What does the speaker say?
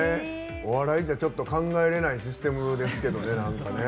お笑いじゃ考えれないシステムですけどね。